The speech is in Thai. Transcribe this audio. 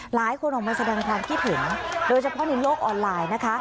หลายคนออกมาแสดงความคิดเห็นโดยเฉพาะในโลกออนไลน์นะคะ